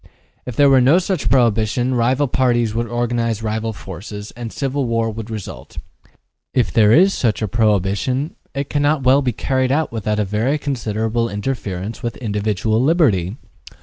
If there were no such prohibition, rival parties would organize rival forces, and civil war would result. Yet, if there is such a prohibition, it cannot well be carried out without a very considerable interference with individual liberty.